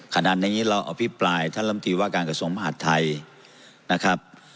ขณะนี้เราอภิปรายท่านลำตีว่าการกระทรวงมหาดไทยนะครับ